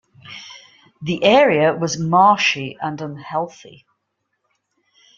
The area was marshy and unhealthy.